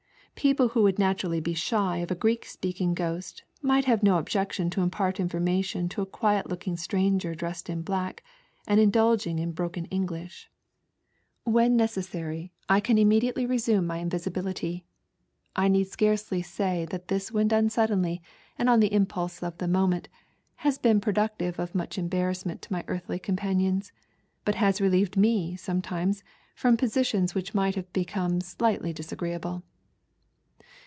People who would naturally be shy of a Greek speaking ghost, might have no objection to impart information to a qui«t looking strauger dressed in black, and indulging in broken English. "When necessaiy, I can immediately WHY I CAME TO LONDON. 7 reBiune my iiiTisibility. I need scarcely aay that this when done suddenly, and on the ina pulse of the moment, has been productive of much embarrassment to my earthly companions, but has relieved me sometimes from positions which might have become slightly disagreeable.